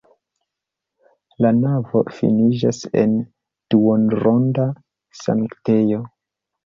La navo finiĝas en duonronda sanktejo.